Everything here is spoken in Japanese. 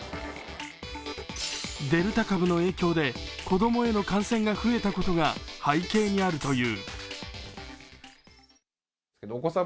デルタ株の影響で子供への感染が増えたことが背景にあるという。